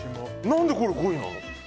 何でこれが５位なの？